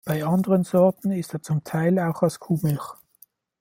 Bei anderen Sorten ist er zum Teil auch aus Kuhmilch.